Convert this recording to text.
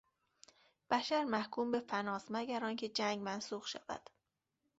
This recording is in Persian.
بشر محکوم به فناست مگر آنکه جنگ منسوخ شود.